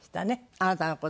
あなたの事？